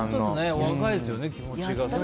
お若いですよね、気持ちが。